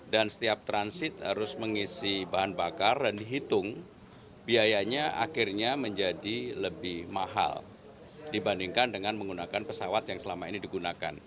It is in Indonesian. dan setiap transit harus mengisi bahan bakar dan dihitung biayanya akhirnya menjadi lebih mahal dibandingkan dengan menggunakan pesawat yang selama ini digunakan